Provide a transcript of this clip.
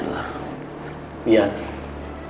kita abisin diri luar